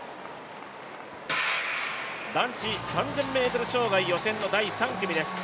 男子３０００ｍ障害予選の第３組です。